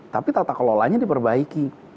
tapi tata kelolanya diperbaiki